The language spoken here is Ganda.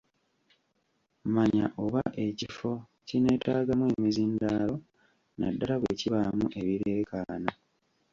Manya oba ekifo kineetaagamu emizindaalo naddala bwe kibaamu ebireekaana.